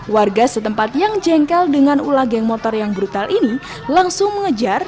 warga setempat yang jengkel dengan ulah geng motor yang brutal ini langsung mengejar